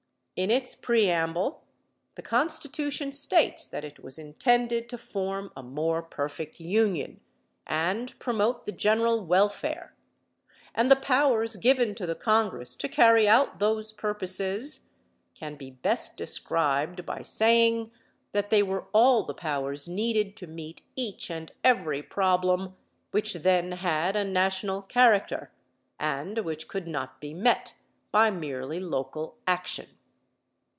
In its Preamble, the Constitution states that it was intended to form a more perfect Union and promote the general welfare; and the powers given to the Congress to carry out those purposes can be best described by saying that they were all the powers needed to meet each and every problem which then had a national character and which could not be met by merely local action.